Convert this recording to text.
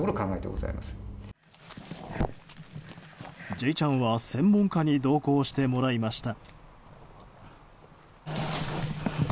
「Ｊチャン」は専門家に同行してもらいました。